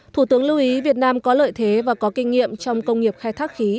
thủ tướng lưu ý việt nam có lợi thế và có kinh nghiệm trong công nghiệp khai thác khí